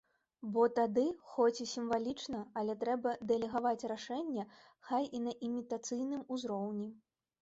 Бо тады, хоць і сімвалічна, але трэба дэлегаваць рашэнне хай і на імітацыйным узроўні.